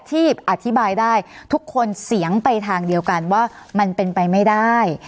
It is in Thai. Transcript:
ที่อธิบายได้ทุกคนเสียงไปทางเดียวกันว่ามันเป็นไปไม่ได้